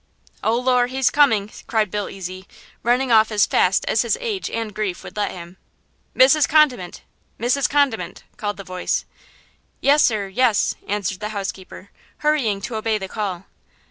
"Oh, Lor', he's coming!" cried Bill Ezy, running off as fast as his age and grief would let him. "Mrs. Condiment! Mrs. Condiment!" called the voice. "Yes, sir, yes," answered the housekeeper, hurrying to obey the call.